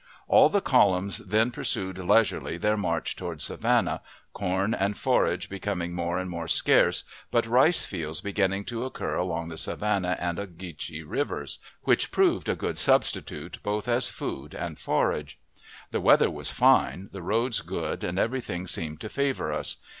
All the columns then pursued leisurely their march toward Savannah, corn and forage becoming more and more scarce, but rice fields beginning to occur along the Savannah and Ogeechee Rivers, which proved a good substitute, both as food and forage. The weather was fine, the roads good, and every thing seemed to favor us.